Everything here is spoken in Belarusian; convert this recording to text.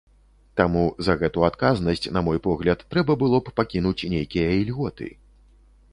Таму за гэту адказнасць, на мой погляд, трэба было б пакінуць нейкія ільготы.